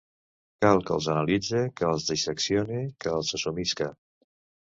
Cal que els analitze, que els disseccione, que els assumisca.